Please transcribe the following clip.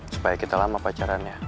supaya kita lama pacarannya